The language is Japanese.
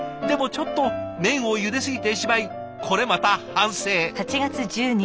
でもちょっと麺をゆですぎてしまいこれまた反省。